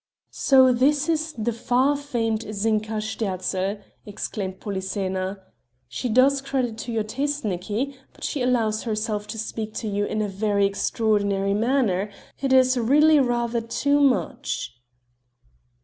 "So this is the far famed Zinka Sterzl!" exclaimed Polyxena: "She does credit to your taste, Nicki. But she allows herself to speak to you in a very extraordinary manner; it is really rather too much!"